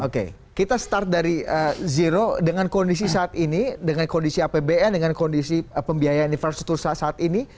oke kita start dari zero dengan kondisi saat ini dengan kondisi apbn dengan kondisi pembiayaan infrastruktur saat ini